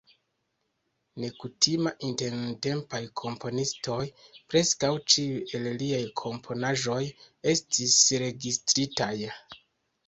Nekutima inter nuntempaj komponistoj, preskaŭ ĉiuj el liaj komponaĵoj estis registritaj.